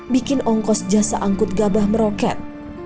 bikin ongkos jasa angkut gabah meroket